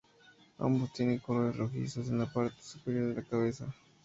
Ambos tienen colores rojizos en la parte superior de la cabeza.